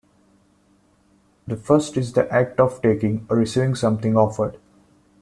The first is the act of taking or receiving something offered.